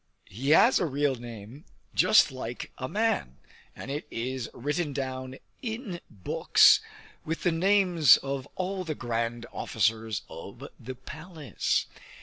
He has a real name, just like a man, and it is written down in books with the names of all the grand officers of the palace.